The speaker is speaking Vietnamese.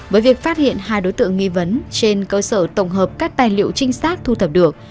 với việc phát hiện hai đối tượng nghi vấn trên cơ sở tổng hợp các tài liệu trinh sát thu thập được